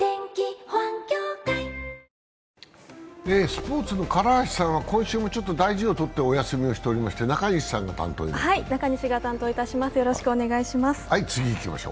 スポーツの唐橋さんは今週も大事をとってお休みをしておりまして中西さんが担当します。